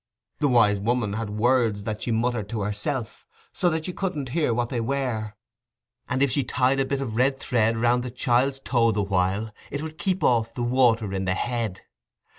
The Wise Woman had words that she muttered to herself, so that you couldn't hear what they were, and if she tied a bit of red thread round the child's toe the while, it would keep off the water in the head.